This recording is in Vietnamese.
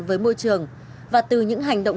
với môi trường và từ những hành động